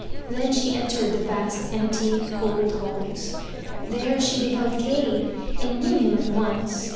Then she entered the vast, empty, cold halls. There she beheld Kay, and knew him at once.